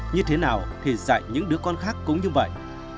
như thế nào thì dạy những đứa con khác cũng như vậy